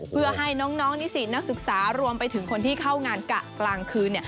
เพื่อให้น้องนิสิตนักศึกษารวมไปถึงคนที่เข้างานกะกลางคืน